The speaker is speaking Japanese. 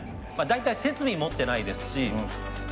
大体設備持ってないですし。